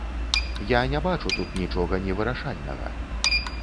Я не бачу тут нічога невырашальнага.